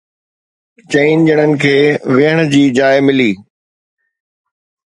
چئن ڄڻن کي ويهڻ جي جاءِ ملي